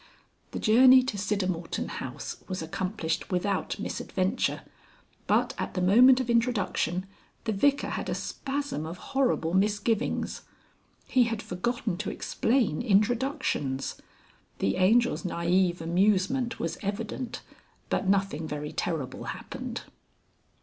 The journey to Siddermorton House was accomplished without misadventure, but at the moment of introduction the Vicar had a spasm of horrible misgivings. He had forgotten to explain introductions. The Angel's naïve amusement was evident, but nothing very terrible happened.